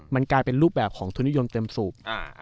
มันกลายเป็นรูปแบบของทุนิยมเต็มสูบ